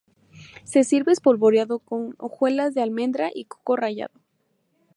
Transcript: Se sirve espolvoreado con hojuelas de almendra y coco rallado.